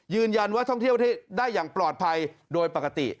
ท่องเที่ยวได้อย่างปลอดภัยโดยปกติ